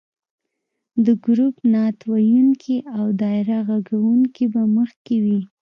د ګروپ نعت ویونکي او دایره غږونکې به مخکې وي.